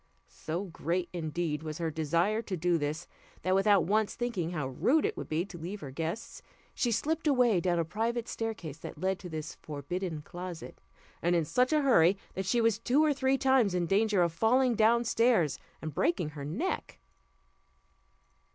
So great, indeed, was her desire to do this, that, without once thinking how rude it would be to leave her guests, she slipped away down a private staircase that led to this forbidden closet, and in such a hurry, that she was two or three times in danger of falling down stairs and breaking her neck.